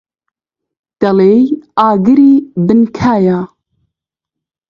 دەڵێی ئاگری بن کایە.